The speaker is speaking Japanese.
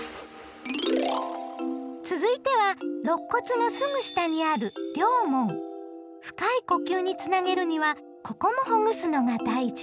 続いてはろっ骨のすぐ下にある深い呼吸につなげるにはここもほぐすのが大事！